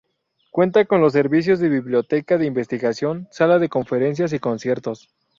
Cuenta con los servicios de biblioteca de investigación, sala de conferencias y conciertos.